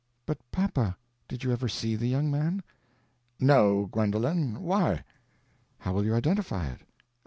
"But papa, did you ever see the young man?" "No, Gwendolen why?" "How will you identify it?"